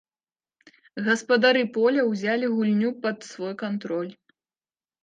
Гаспадары поля ўзялі гульню пад свой кантроль.